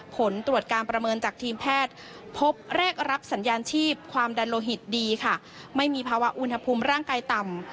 ผลตรวจการประเมินจากทีมแพทย์พบแรกรับสัญญาณชีพความดันโลหิตดีค่ะไม่มีภาวะอุณหภูมิร่างกายต่ำ